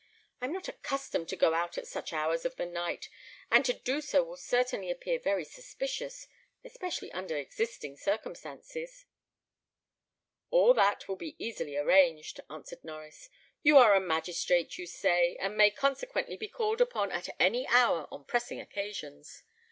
I am not accustomed to go out at such hours of the night, and to do so will certainly appear very suspicious, especially under existing circumstances." "All that will be easily arranged," answered Norries. "You are a magistrate, you say, and may consequently be called upon at any hour on pressing occasions.